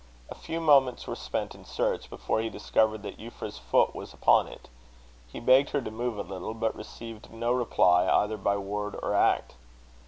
A few moments were spent in the search, before he discovered that Euphra's foot was upon it. He begged her to move a little, but received no reply either by word or act.